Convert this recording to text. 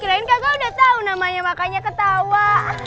kirain kakak udah tau namanya makanya ketawa